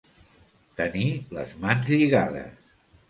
Tenir les mans lligades.